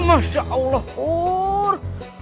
masya allah pur